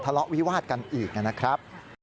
ทะเลาะวิวาดกันอีกนะครับ